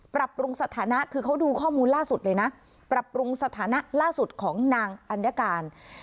ปรับปรุงสถานะคือเขาดูข้อมูลล่าสุดเลยนะปรับปรุงสถานะล่าสุดของนางอัญญาการ